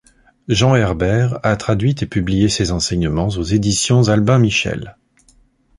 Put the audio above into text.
Jean Herbert a traduit et publié ses enseignements aux éditions Albin Michel.